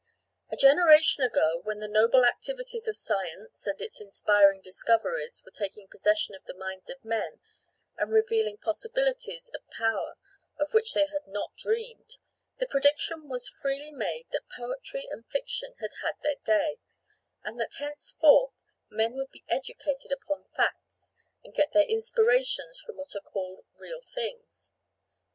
A generation ago, when the noble activities of science and its inspiring discoveries were taking possession of the minds of men and revealing possibilities of power of which they had not dreamed, the prediction was freely made that poetry and fiction had had their day, and that henceforth men would be educated upon facts and get their inspirations from what are called real things.